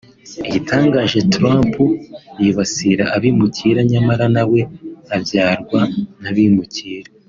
Igitangaje Trump yibasira abimukira nyamara nawe abyarwa n’abimukira